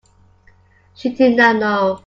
She did not know.